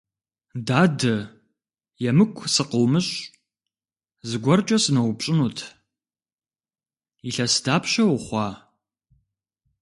Дадэ, емыкӀу сыкъыумыщӀ, зыгуэркӀэ сыноупщӀынут: илъэс дапщэ ухъуа?